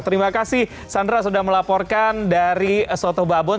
terima kasih sandra sudah melaporkan dari soto babon